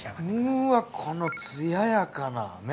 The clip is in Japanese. うわこのつややかな麺。